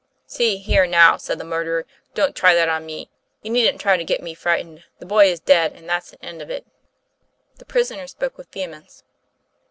"See here, now," said the murderer, "don't try that on me. You needn't try to get me frightened. The boy is dead, and that's an end of it." The prisoner spoke with vehemence.